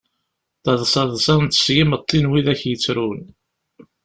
Taḍsa ḍsan-tt, s yimeṭṭi n widak yettrun.